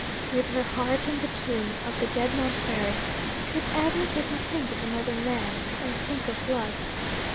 With her heart in the tomb of the dead Montbarry, could Agnes even think of another man, and think of love?